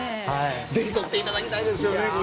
ぜひ取っていただきたいですね。